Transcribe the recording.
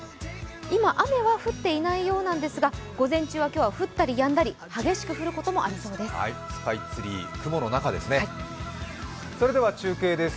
今、雨は降っていないようなんですが、午前中は今日は降ったりやんだり激しく降ることもありそうです。